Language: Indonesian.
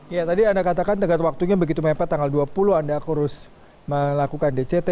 ya tadi anda katakan tegak waktunya begitu mepet tanggal dua puluh anda harus melakukan dct